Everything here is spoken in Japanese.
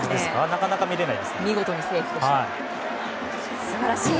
なかなか見れないですね。